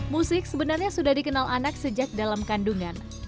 musik sebenarnya sudah dikenal anak sejak dalam kandungan